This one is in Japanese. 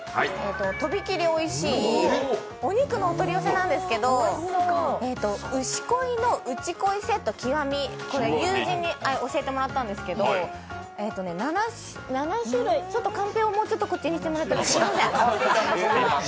とびきりおいしいお肉のお取り寄せなんですけど、牛恋の、ウチ恋セット極、これ友人に教えてもらったんですけど、ちょっとカンペをもうちょっとこっちにしてもらってもいいですか。